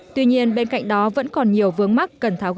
tuy nhiên bên cạnh đó vẫn còn nhiều vướng mắt cần tháo gỡ